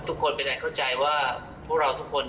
ทุกคนเป็นอันเข้าใจว่าพวกเราทุกคน